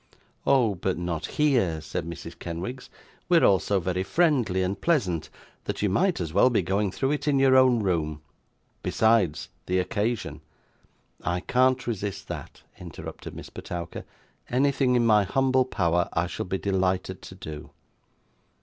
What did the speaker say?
'Oh, but not here!' said Mrs. Kenwigs. 'We are all so very friendly and pleasant, that you might as well be going through it in your own room; besides, the occasion ' 'I can't resist that,' interrupted Miss Petowker; 'anything in my humble power I shall be delighted to do.